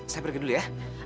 saya pergi dulu ya